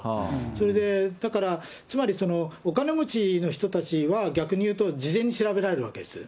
それでだから、つまり、お金持ちの人たちは逆に言うと、事前に調べられるわけです。